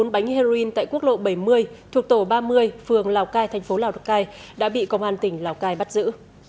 bốn bánh heroin tại quốc lộ bảy mươi thuộc tổ ba mươi phường lào cai thành phố lào cai đã bị công an tỉnh lào cai bắt giữ